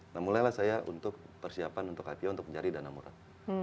nah mulailah saya untuk persiapan untuk ipo untuk mencari dana murah